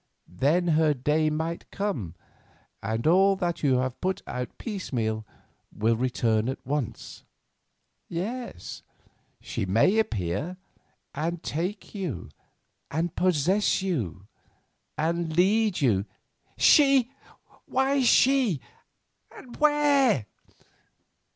Then her day might come, and all that you have put out piecemeal will return at once. Yes, she may appear, and take you, and possess you, and lead you——" "She? Why she? and where?"